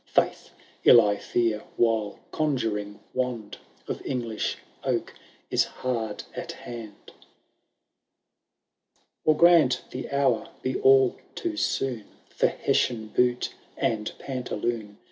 Faith ! ill, I fear, while conjuring wand Of English oak is haxd at hand. II. Or grant the hour be all too soon For Hessian boot and pantaloon.